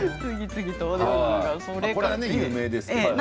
これは有名ですけれども。